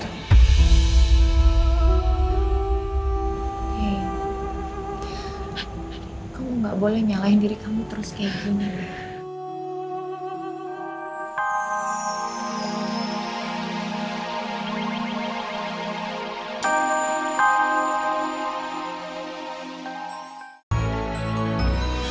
hei kamu gak boleh nyalahin diri kamu terus kayak gini